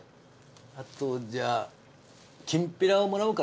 あとじゃあきんぴらをもらおうかな。